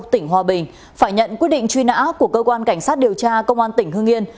tỉnh hòa bình phải nhận quyết định truy nã của cơ quan cảnh sát điều tra công an tỉnh hương yên